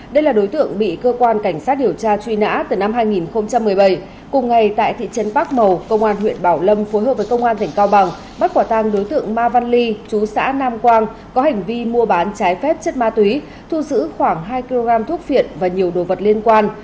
đây là đối tượng bị cơ quan cảnh sát điều tra truy nã từ năm hai nghìn một mươi bảy cùng ngày tại thị trấn bắc màu công an huyện bảo lâm phối hợp với công an tỉnh cao bằng bắt quả tang đối tượng ma văn ly chú xã nam quang có hành vi mua bán trái phép chất ma túy thu giữ khoảng hai kg thuốc viện và nhiều đồ vật liên quan